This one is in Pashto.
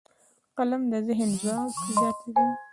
قلم د ذهن ځواک زیاتوي